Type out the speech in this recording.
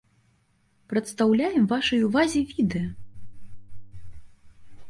Прадстаўляем вашай ўвазе відэа!